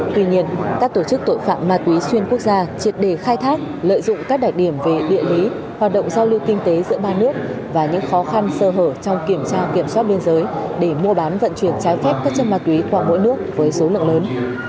tuy nhiên các tổ chức tội phạm ma túy xuyên quốc gia triệt đề khai thác lợi dụng các đặc điểm về địa lý hoạt động giao lưu kinh tế giữa ba nước và những khó khăn sơ hở trong kiểm tra kiểm soát biên giới để mua bán vận chuyển trái phép các chân ma túy qua mỗi nước với số lượng lớn